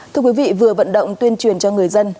thưa quý vị vừa vận động tuyên truyền cho người dân